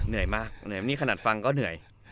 เหนื่อยมากขนาดฟังก็เหนื่อย